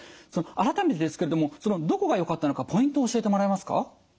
改めてですけれどもどこがよかったのかポイントを教えてもらえますか？